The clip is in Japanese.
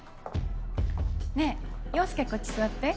ねえ陽佑こっち座って。